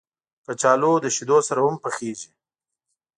کچالو له شیدو سره هم پخېږي